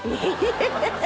ハハハ。